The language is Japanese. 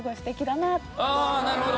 なるほど。